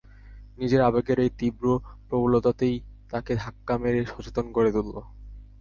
নিজের আবেগের এই তীব্র প্রবলতাতেই তাকে ধাক্কা মেরে সচেতন করে তুলল।